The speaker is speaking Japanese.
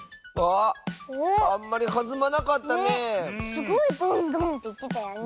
すごいドンドンっていってたよね。